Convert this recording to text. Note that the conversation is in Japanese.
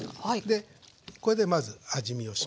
でこれでまず味見をします。